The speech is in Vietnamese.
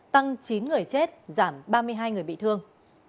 tăng chín người chết giảm ba mươi hai người bị thương